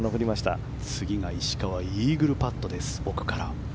次が石川イーグルパットです。